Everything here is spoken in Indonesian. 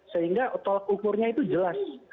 sehingga tolak ukurnya itu jelas